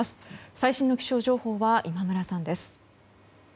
最新の気象情報は今村さんです。